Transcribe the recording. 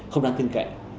không đáng tin cậy